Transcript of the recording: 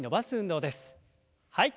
はい。